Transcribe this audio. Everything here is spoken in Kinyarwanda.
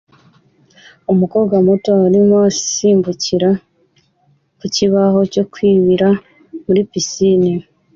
Umukobwa muto arimo asimbukira ku kibaho cyo kwibira muri pisine